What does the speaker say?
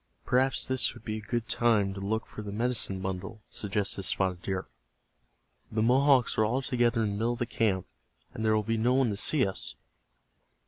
"Perhaps this would be a good time to look for the medicine bundle," suggested Spotted Deer. "The Mohawks are all together in the middle of the camp, and there will be no one to see us."